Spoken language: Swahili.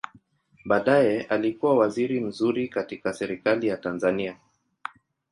Baadaye alikua waziri mzuri katika Serikali ya Tanzania.